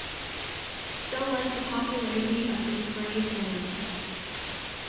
So was the popularity of this brave man.